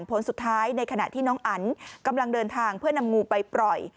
ผลสุดท้ายในขณะที่น้องอันกำลังเดินทางเพื่อนำงูไปปล่อย